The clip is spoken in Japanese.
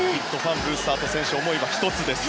ブースターで選手は思いが１つです。